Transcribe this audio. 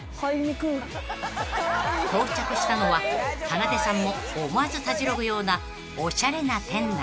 ［到着したのはかなでさんも思わずたじろぐようなおしゃれな店内］